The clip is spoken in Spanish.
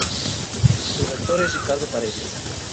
Su rector es Ricardo Paredes.